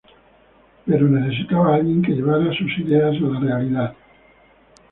Pero necesitaba alguien que llevara sus ideas a la realidad.